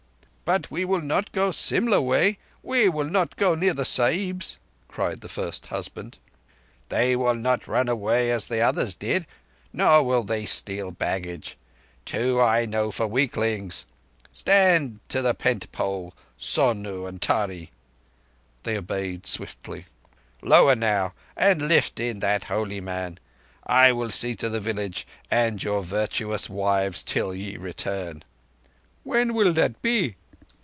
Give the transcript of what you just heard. "But we will not go Simla way. We will not go near the Sahibs," cried the first husband. "They will not run away as the others did, nor will they steal baggage. Two I know for weaklings. Stand to the rear pole, Sonoo and Taree." They obeyed swiftly. "Lower now, and lift in that holy man. I will see to the village and your virtuous wives till ye return." "When will that be?"